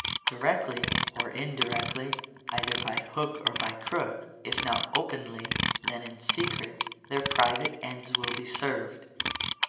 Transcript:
Directly or indirectly, either by hook or by crook, if not openly, then in secret, their private ends will be served.